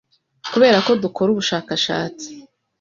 Kuberako dukora ubushakashatsi